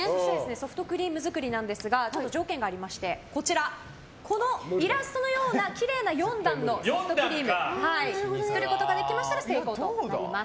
ソフトクリームなんですがちょっと条件がありましてこのイラストのようなきれいな４段のソフトクリームを作ることができましたら成功となります。